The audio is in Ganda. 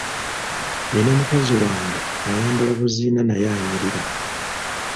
Nina mukazi wange ayambala buziina naye anyirira.